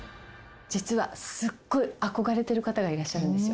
実はすっごい憧れている方がいらっしゃるんですよ。